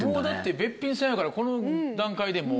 べっぴんさんやからこの段階でもう。